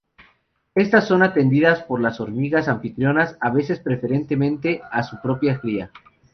Estas son atendidas por las hormigas anfitrionas, a veces preferentemente a su propia cría.